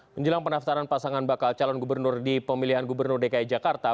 menjelang pendaftaran pasangan bakal calon gubernur di pemilihan gubernur dki jakarta